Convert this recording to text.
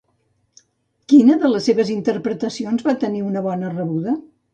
Quina de les seves interpretacions va tenir una bona rebuda?